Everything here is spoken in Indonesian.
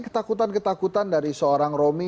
ketakutan ketakutan dari seorang romi